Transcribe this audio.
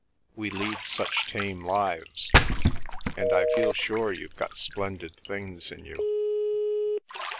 We lead such tame lives. And I feel sure you've got splendid things in you."